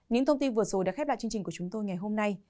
những thông tin vừa rồi đã khép lại chương trình của chúng tôi ngày hôm nay